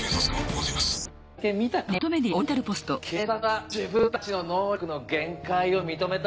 警察は自分たちの能力の限界を認めた。